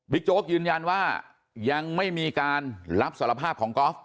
โจ๊กยืนยันว่ายังไม่มีการรับสารภาพของกอล์ฟ